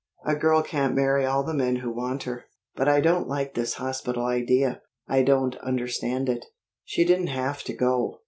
"A girl can't marry all the men who want her. But I don't like this hospital idea. I don't understand it. She didn't have to go.